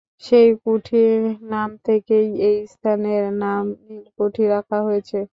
সেই কুঠির নাম থেকেই এই স্থানের নাম নীলকুঠি রাখা হয়েছে।